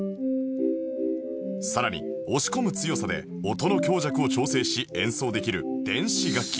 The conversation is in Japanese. さらに押し込む強さで音の強弱を調整し演奏できる電子楽器